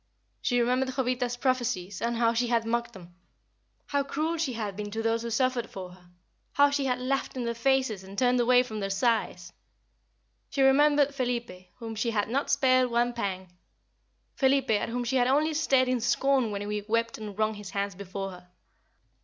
She remembered Jovita's prophecies, and how she had mocked them; how cruel she had been to those who suffered for her; how she had laughed in their faces and turned away from their sighs. She remembered Felipe, whom she had not spared one pang Felipe, at whom she had only stared in scorn when he wept and wrung his hands before her.